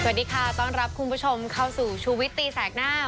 สวัสดีค่ะต้อนรับคุณผู้ชมเข้าสู่ชูวิตตีแสกหน้า